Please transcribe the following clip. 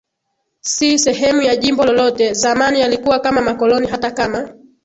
si sehemu ya jimbo lolote Zamani yalikuwa kama makoloni hata kama